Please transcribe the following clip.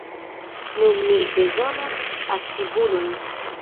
Nun, ni bezonas aktivulojn!